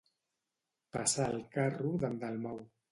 Passar el carro d'en Dalmau.